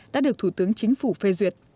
đã được thủ tướng chính phủ phê duyệt